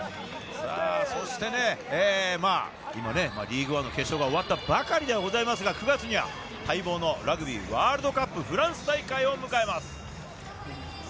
そして今、リーグワンの決勝が終わったばかりではございますが、９月には待望のラグビーワールドカップ・フランス大会を迎えます。